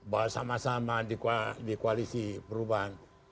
bahwa sama sama di koalisi perubahan